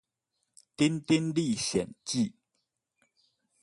丁丁歷險記